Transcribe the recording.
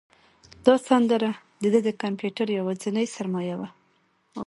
دا سندره د ده د کمپیوټر یوازینۍ سرمایه وه.